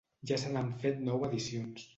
Ja se n’han fet nou edicions.